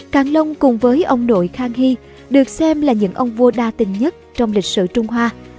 càng long cùng với ông nội khang hy được xem là những ông vua đa tình nhất trong lịch sử trung hoa